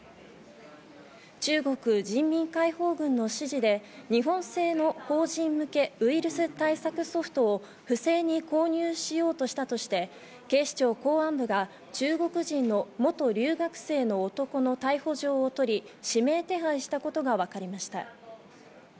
中国人民解放軍の指示で日本製の法人向けウイルス対策ソフトを不正に購入しようとしたとして、警視庁公安部が中国人の元留学生の男の逮捕状を取り、指名手配したことがわかりました。